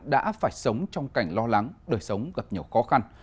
đã phải sống trong cảnh lo lắng đời sống gặp nhiều khó khăn